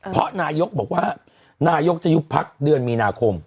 เพราะนายกบอกว่านายกจะยุบพักเดือนมีนาคม